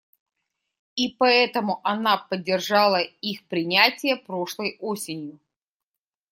И поэтому она поддержала их принятие прошлой осенью.